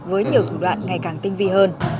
với nhiều thủ đoạn ngày càng tinh vi hơn